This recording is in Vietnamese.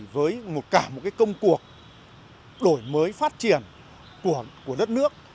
với cả một công cuộc đổi mới phát triển của đất nước